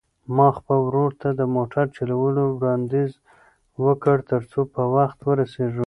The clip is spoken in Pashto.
ما خپل ورور ته د موټر چلولو وړاندیز وکړ ترڅو په وخت ورسېږو.